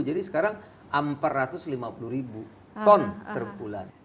jadi sekarang empat ratus lima puluh ribu ton terbulan